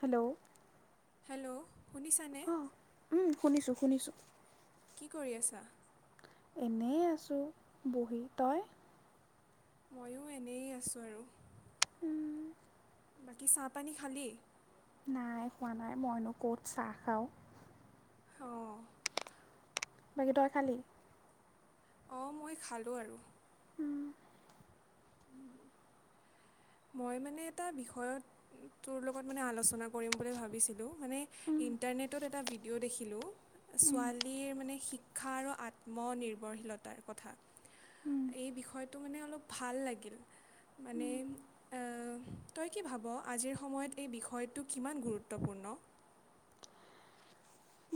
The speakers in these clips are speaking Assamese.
হেল্ল' হেল্ল' শুনিছানে অ উম শুনিছো শুনিছোঁ কি কৰি আছা? এনে আছোঁ বহি তই ময়ো এনেই আছোঁ আৰু উম, বাকী চাহপানী খালী? নাই খোৱা নাই মইনো ক'ত চাহ খাওঁ অঁ বাকী দয় খালী অ মই খালোঁ আৰু উম, মই মানে এটা বিষয়ত তোৰ লগত মানে আলোচনা কৰিম বুলি ভাবিছিলোঁ মানে ইণ্টাৰনেটত এটা ভিদিঅ ' দেখিলোঁ ছোৱালীৰ মানে শিক্ষা আৰু আত্মনিৰ্ভৰশীলতাৰ কথা' এই বিষয়টো মানে অলপ ভাল লাগিল মানে তই কি ভাব আজিৰ সময়ত এই বিষয়টো কিমান গুৰুত্বপূৰ্ণ।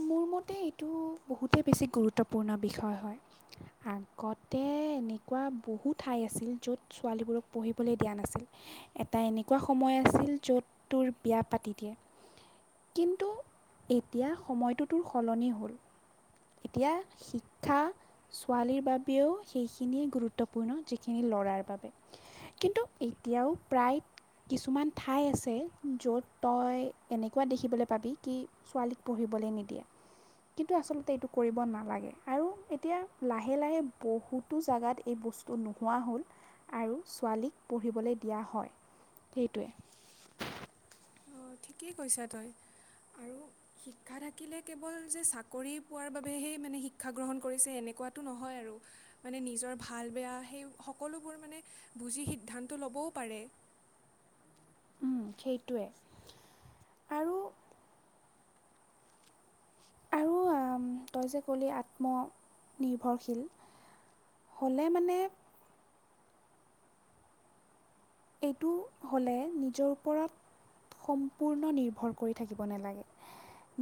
মোৰ মতে এইটো বহুতেই বেছি গুৰুত্বপূৰ্ণ বিষয় হয় আগতে এনেকুৱা বহুত ঠাই আছিল য'ত ছোৱালীবোৰক পঢ়িবলৈ দিয়া নাছিল এটা এনেকুৱা সময় য'ত তোৰ বিয়া পাতি দিয়ে, কিন্তু - তোৰ সলনি হ'ল এতিয়া শিক্ষা ছোৱালীৰ বাবেও সেইখিনিয়ে গুৰুত্বপূৰ্ণ যিখিনি ল'ৰাৰ বাবে, কিন্তু এতিয়াও প্ৰায় কিছুমান ঠাই আছে য'ত তই এনেকুৱা দেখিবলৈ পাবি কি ছোৱালী নিবলে নিদিয়ে কিন্তু আচলতে এইটো কৰিব নালাগে আৰু এতিয়া লাহে লাহে বহুতো জেগাত এই বস্তু নোহোৱা হ'ল আৰু ছোৱালীক পঢ়িবলে দিয়া হয় সেইটোৱে অ ঠিকেই কৈছা তই আৰু শিক্ষা থাকিলে কেৱল যে চাকৰি পোৱাৰ বাবেহে মানে শিক্ষা গ্ৰহণ কৰিছে এনেক কোৱাটো নহয় আৰু মানে নিজৰ ভাল বেয়া সেই সকলোবোৰ মানে বুজি সিদ্ধান্ত ল'ব ও পাৰে উম সেইটোৱে আৰু আৰু তই যে কলি আত্মনিৰ্ভৰশীল হলে মানে এইটো হ'লে নিজৰ ওপৰত সম্পূৰ্ণ নিৰ্ভৰ কৰি থাকিব নালাগে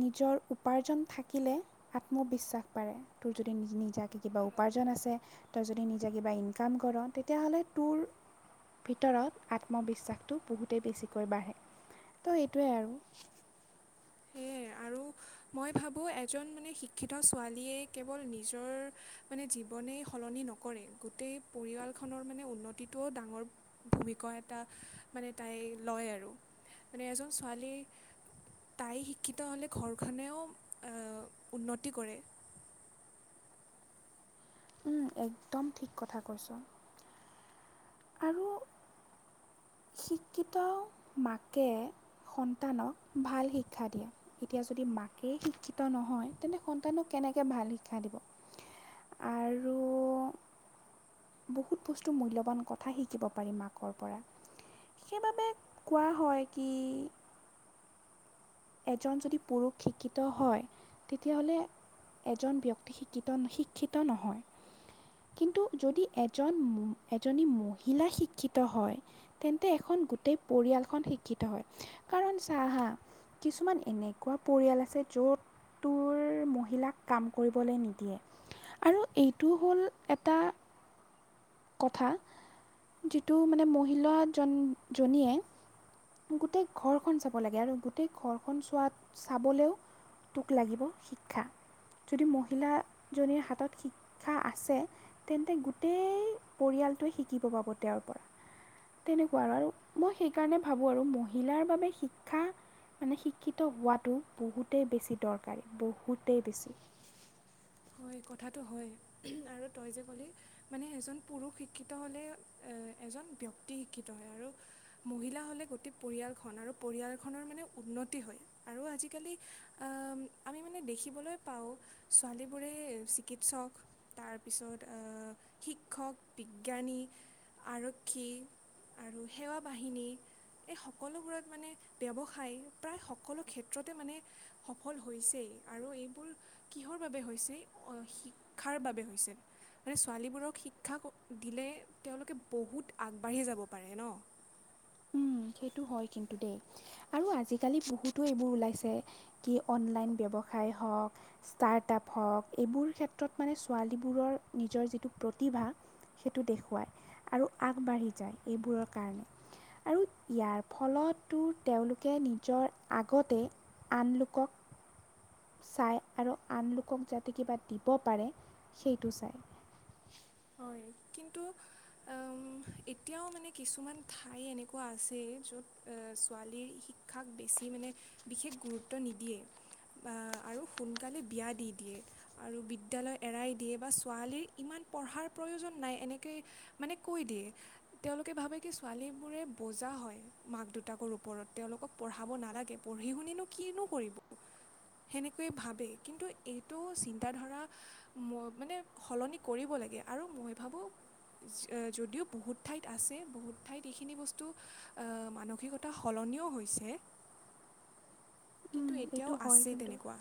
নিজৰ উপাৰ্জন থাকিলে আত্মবিশ্বাস পাৰে তোৰ যদি নিজাকে কিবা উপাৰ্জন আছে তই যদি নিজে কিবা ইনকাম কৰ তেতিয়াহ'লে তোৰ [inaudible] ভিতৰত আত্মবিশ্বাসটো বহুতেই বেছিকৈ বাঢ়ে ত এইটোৱে আৰু সে আৰু মই ভাবো এজন মানে শিক্ষিত ছোৱালীয়ে কেৱল নিজৰ মানে জীৱনে সল নি নকৰে গোটেই পৰিয়ালখনৰ মানে উন্নতিটোও ডাঙৰ ভূমিকা এটা মানে তাই লয় আৰু মানে এজন ছোৱালী তাই শি শিক্ষিত হ'লে ঘৰখনেও আহ উন্নতি কৰে উম একদম ঠিক কথা কৈছো আৰু শিক্ষিত মাকে, সন্তানক ভাল শিক্ষা দিয়ে এতিয়া যদি মাকেই শিক্ষিত নহয় তেন্তে সন্তানক, তেনেকে ভাল শিক্ষা দিব। আৰু [inaudible] বহুত বস্তু মূল্যবান কৰ কথা শিকিব পাৰি মাকৰ পৰা সেইবাবে কোৱা হয় কি। এজন যদি পুৰুষ শিক্ষিত হয় তেতিয়া হ'লে। এজন ব্যক্তি শিক্ষিত শিক্ষিত নহয়। কিন্তু যদি এজন এজনী মহিলা শিক্ষিত হয় তেন্তে এখন, গোটেই পৰিয়ালখন শিক্ষিত হয় কাৰণ চাহ হা, কিছুমান এনেকুৱা পৰিয়াল আছে য'ত তোৰ মহিলাক কাম কৰিবলে নিদিয়ে। আৰু এইটো হ'ল এটা। কথা যিটো মানে মহিলা জন জনীয়ে, গোটেই ঘৰখন চাব লাগে আৰু গোট গোটেই ঘৰখন চোৱাত চাবলেও তোক লাগিব শিক্ষা। যদি মহিলাজনীৰ হাতত শিক্ষা আছে তেন্তে গোটেই পৰিয়াল। -টোই শিকিব পাব তেওঁৰ পৰা। তেনেকুৱা আৰু আৰু মই সেইকাৰণে ভাবোঁ আৰু মহিলাৰ বাবে শিক্ষা, মানে শিক্ষিত হোৱাটো বহুতেই বেছি দৰকাৰী বহুতেই বেছি। হয়, কথাটো হয়, আৰু তই যে, ক'লি মানে এজন পুৰুষ শিক্ষিত হ'লে এজন ব্যক্তি শিক্ষিত হয়, আৰু মহিলা হ'লে গোটেই পৰিয়ালখন আৰু পৰিয়ালখনৰ মানে উন্নতি হয় আৰু আজিকালি অ', আমি মানে দেখিবলৈ পাওঁ ছোৱালীব বোৰে চিকিৎসক তাৰপিছত অ', শিক্ষক, বিজ্ঞানী। আৰক্ষী আৰু সেৱা বাহিনী। এই সকলোবোৰত মানে ব্যৱসায় প্ৰায় সকলো ক্ষেত্ৰতে মানে সফল হৈছেই। আৰু এইবোৰ কিহৰ বাবে হৈছে অ' শিক্ষাৰ বাবে হৈছে মানে ছোৱালীবোৰক শিক্ষা দিলে তেওঁলোকে বহুত আগবাঢ়ি যাব পাৰে ন'। উম, সেইটো হয় কিন্তু দেই আৰু আজিকালি বহুতো এইবোৰ ওলাইছে কি অনলাইন ব্যৱস সায় হওঁক, ষ্টাৰ্টআপ হওঁক এইবোৰ ক্ষেত্ৰত মানে ছোৱালীবোৰৰ নিজৰ যিটো প্ৰতিভা সেইটো দেখুৱায় আৰু আগবাঢ়ি যায় এইবোৰৰ কাৰণে। আৰু ইয়াৰ ফলতো তেওঁলোকে নিজৰ আগতে আন লোকক চাই আৰু আন লোকক যাতে কিবা দিব পাৰে সেইটো চাই। [inaudible] হয় কি কিন্তু অ'ম, এতিয়াও মানে কিছুমান ঠাই এনেকুৱা আছে য'ত অ' ছোৱালীৰ শিক্ষাক বেছি মানে বিশেষ গুৰুত্ব নিদিয়ে। বা আৰু সোনকালে বিয়া দি দিয়ে আৰু বিদ্যালয় এৰাই দিয়ে বা ছোৱালীৰ ইমান পঢ়াৰ প্ৰয়োজন নাই এনেকৈ মানে কৈ দিয়ে, তেওঁলোকে ভাবে কি ছোৱালীবোৰে বোজা হয়, মাক দেউতাকৰ ওপৰত তেওঁলোকক পঢ়াব নালাগে, পঢ়ি শুনিনো কিনো কৰিব। সেনেকৈয়ে ভাবে কিন্তু এইটো চিন্তাধাৰা ম মানে সলনি কৰিব লাগ গে আৰু মই ভাবো চ' যদিও বহুত ঠাইত আছে বহুত ঠাইত এইখিনি বস্তু অ', মানসিকতা সলন নিও হৈছে। কিন্তু উম, এতিয়াও এইটো হয় আছেই কিন্তু তেনেকুৱা।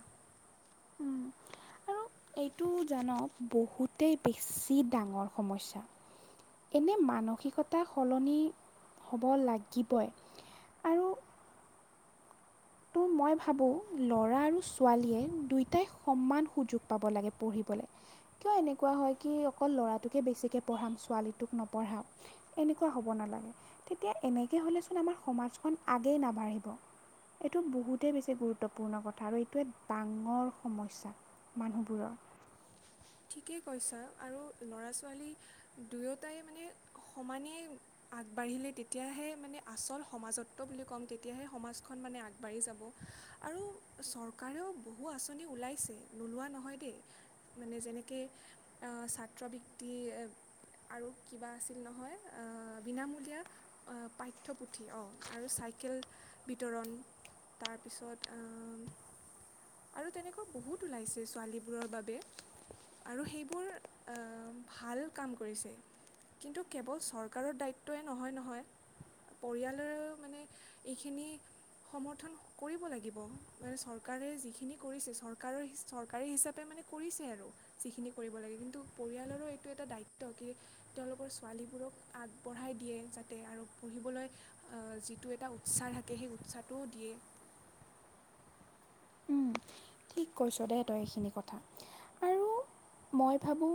উম। আৰু এইটো জান' বহুতেই বেছি ডাঙৰ সমস্যা। এনে মানসিকতা সলনি হ'ব লাগিবই আৰু ত' মই ভাবো ল'ৰা আৰু ছোৱালীয়ে দুয়টাই সমান সুযোগ পাব লাগে পঢ়ি বলে কিয় এনেকুৱা হয় কি অকল ল'ৰাটোকে বেছিকে পঢ়াম ছোৱালীটোক নপঢ়াম এ এনেকুৱা হ'ব নালাগে তেতিয়া এনেকে হ'লে চোন আমাৰ সমাজখন আগেই নাবাঢ়িব। এইটো বহুতেই বেছি গুৰুত্বপূৰ্ণ কথা আৰু এইটো এক ডাঙৰ সমস্যা। মানুহবোৰৰ। [inaudible] ঠিকেই কৈছা আৰু ল'ৰা-ছোৱালী দুয়োটাই মানে সমানেই আগবাঢ়িলে তেতিয়াহে মানে আচল সমাজত্ব বুলি ক'ম তেতিয়াহে সমাজখন মানে আগবাঢ়ি যাব। আৰু চৰকাৰেও বহু আঁচনি ওলাইছে নোলোৱা নহয় দেই মানে যেনে কে অ', ছাত্ৰবৃত্তি আৰু কিবা আছিল নহয় অহ, বিনামূলীয়া পাঠ্যপুথি অ', আৰু ছা ইকেল বিতৰণ তাৰপিছত আ আৰু তেনেকুৱা বহুত ওলাইছে ছোৱালীবোৰৰ বাবে। আৰু সেইবোৰৰ আহ ভাল কাম কৰিছে। কিন্তু কেৱল চৰকাৰৰ দায়িত্বই নহয় নহয়। পৰিয়ালৰেও মানে এইখিনি সমৰ্থন কৰিব লাগিব। মানে চৰকাৰে যিখিনি কৰিছে চৰকাৰৰ চৰকাৰী হিচাপে মানে মানে কৰিছে আৰু যিখিনি কৰিব লাগে। কিন্তু পৰিয়ালৰো এইটো এটা দায়িত্ব কি তেওঁলোকৰ ছোৱালীবোৰক আগবঢ়াই দিয়ে যাতে আৰু পঢ়িবলৈ অ', যিটো এটা উৎসাহ থাকে সেই উৎসাহটোও দিয়ে। [inaudible] উম, ঠিক কৈছ দেই তই এইখিনি কথা আৰু মই ভাবোঁ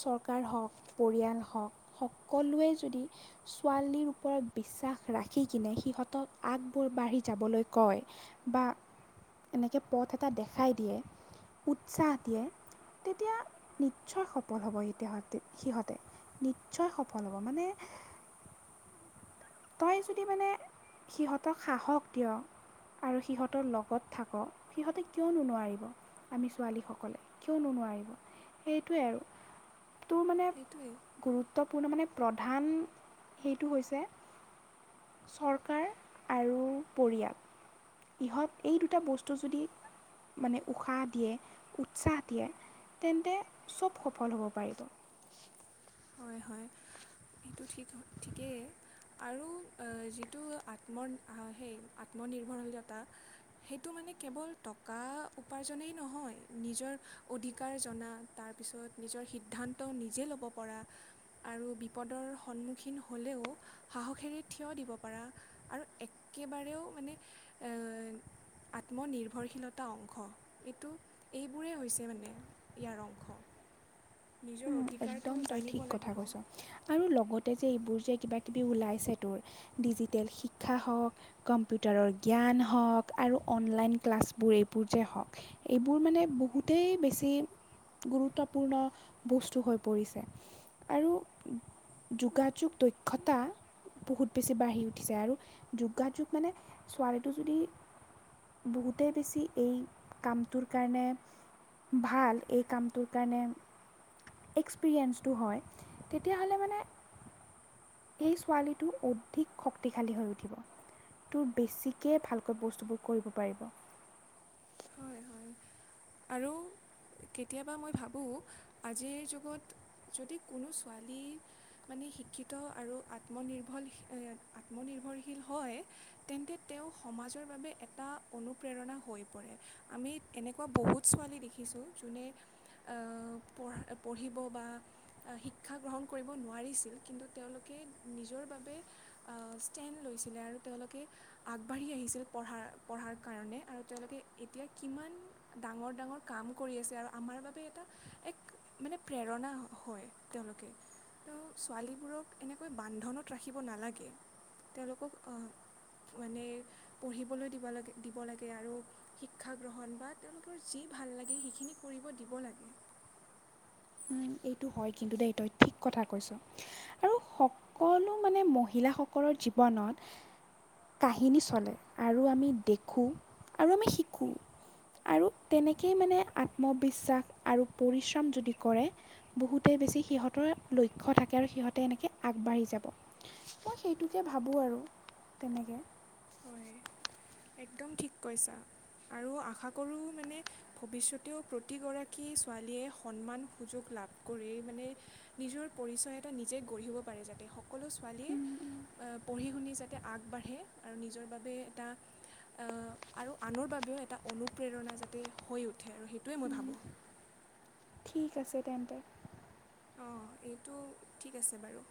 চৰকাৰ হওঁক, পৰিয়াল হওঁক সকলোৱে যদি ছোৱালীৰ ওপৰত বিশ্বাস ৰাখি কিনে সিহঁতক আগবোৰ বাঢ়ি যাবলৈ কয় বা এনেকে পথ এটা দেখাই দিয়ে, উৎসাহ দিয়ে তেতিয়া নিশ্চয় সফল হ'ব তাহতে সিহঁতে নিশ্চয় সফল হ'ব মানে [inaudible] তই যদি মানে সিহঁতক সাহস দিয় আৰু সিহঁতৰ লগত থাক সিহঁতে কিয়নো নোৱাৰিব আমি ছোৱালীসকলে কিয় নোৱাৰিব সেইটোৱে আৰু তোৰ মানে সেইটোৱেই গুৰুত্বপূৰ্ণ মানে প্ৰধান সেইটো হৈছে চৰকাৰ আৰু পৰিয়াল ইহঁত এই দুটা বস্তু যদি মানে উশাহ দিয়ে উৎসাহ দিয়ে তেন্তে চব সফল হ'ব পাৰিব। হয়-হয়। সেইটো ঠিক ঠিকেই আৰু যিটো আত্মৰ সেই আত্মনিৰ্ভৰশীতা সেইটো মানে কেৱল টকা উপাৰ্জনেই নহয় নিজৰ অধিকাৰ জনা তাৰপিছত নিজৰ সিদ্ধান্ত নিজে ল'ব পৰা আৰু বিপদৰ সন্মুখীন হ'লেও সাহসেৰে থিয় দিব পাৰা আৰু একে একেবাৰেও মানে আহ আত্মনিৰ্ভৰশীলতা অংশ এইটো এইবোৰেই হৈছে মানে ইয়াৰ অংশ। নিজৰ অধিকাৰটো একদম তই জানিব ঠিক কথা লাগিব কৈছ আৰু লগত যে এইবোৰ যে কিবা-কিবি ওলাইছে তোৰ ডিজিটেল শিক্ষা হওক, কম্পিউটাৰৰ জ্ঞান জ্ঞান হওক আৰু অনলাইন ক্লাছবোৰ এইবোৰ যে হওঁক এইবোৰ মানে বহুতেই বেছি গুৰুত্বপূৰ্ণ বস্তু হৈ পৰিছে আৰু যোগাযোগ দক্ষতা বহুত বেছি বাঢ়ি উঠিছে আৰু যোগাযোগ মানে ছোৱালীটো যদি বহুতেই বেছি এই কামটোৰ কাৰণে ভাল এই কামটোৰ কাৰণে এক্সপেৰিয়েঞ্চটো হয় তেতিয়াহ'লে মানে এই ছোৱালীটো অধিক শক্তিশালী হৈ উঠিব। তোৰ বেছিকে ভালকৈ বস্তুবোৰ কৰিব পাৰিব। হয় হয় আৰু কেতিয়াবা মই ভাবোঁ আজিৰ যুগত যদি কোনো ছোৱালী মানে শিক্ষিত আৰু আত্মনিৰ্ভৰ আত্মনিৰ্ভ নিৰ্ভৰশীল হয়, তেন্তে তেওঁ সমাজৰ বাবে এটা অনুপ্ৰেৰণা হয়। আমি এনেকুৱা বহুত ছোৱালী দেখিছোঁ, যোনে পঢ়া পঢ়ি শিক্ষা গ্ৰহণ কৰিব নোৱাৰিছিল কিন্তু তেওঁলোকে নিজৰ বাবে ষ্টেণ্ড লৈছিলে আৰু তেওঁলোকে আগবাঢ়ি আহিছিল পঢ়াৰ-পঢ়াৰ কাৰণে আৰু তেওঁলোকে এতিয়া কিমান ডাঙৰ ডাঙৰ কাম কৰি আছে আৰু আমাৰ বাবে এটা এক মানে প্ৰেৰণা হয় তেওঁলোকে ছোৱালীবোৰক এনেকৈ বান্ধনত ৰাখিব নালাগে, তেওঁলোকক মানে পঢ়িবলৈ দিব লাগে দিব লাগে আৰু শিক্ষা গ্ৰহণ বা তেওঁলোকৰ যি ভাল লাগে সেইখিনি কৰিব দিব লাগে। [unintelligible] এইটো হয় কিন্তু দেই তই ঠিক কথা কৈছ আৰু সকলো মানে মহিলাস সকলৰ জীৱনত কাহিনী চলে আৰু আমি দেখোঁ আৰু আমি শিকোঁ আৰু তেনেকেই মানে আত্মবিশ্বাস আৰু পৰিশ্ৰম যদি কৰে বহুতে বেছি সিহঁতৰ লক্ষ্য থাকে আৰু সিহঁতে এনেকৈ আগবাঢ়ি যাব। মই সেইটোকে ভাবোঁ আৰু হয় একদম ঠিক কৈছা। আৰু আশা কৰো মানে ভৱিষ্যতেও প্ৰতিগৰাকী ছোৱালীয়ে সন্মান সুযোগ লাভ কৰি মানে নহয় নিজৰ পৰিচয় এটা নিজে গঢ়িব পাৰে যাতে সকলো ছোৱালীয়ে পঢ়ি শুনি যাতে আগবাঢ়ে আৰু নিজৰ বাবে এটা আৰু আনৰ বাবেও এটা অনুপ্ৰেৰণা যাতে হৈ উঠে আৰু সেইটোৱে মই ভাবোঁ। ঠিক আছে তেন্তে। অঁ এইটো ঠিক আছে বাৰু।